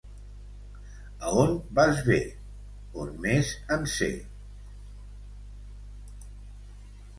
A on vas bé? On més en sé.